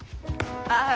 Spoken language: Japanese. ああ。